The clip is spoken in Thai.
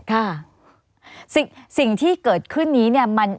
ค่ะสิ่งที่เกิดขึ้นนี้เนี่ย